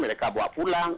mereka bawa pulang